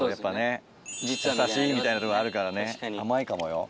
みたいなとこあるからね甘いかもよ。